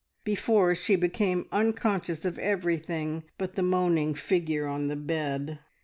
before she became unconscious of everything but the moaning figure on the bed.